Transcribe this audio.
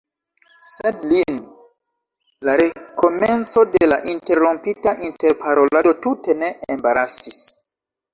Sed lin la rekomenco de la interrompita interparolado tute ne embarasis.